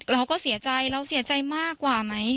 เราก็เสียใจเราเสียใจมากกว่าไหม